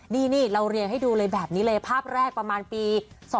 นี่เราเรียงให้ดูเลยแบบนี้เลยภาพแรกประมาณปี๒๕๖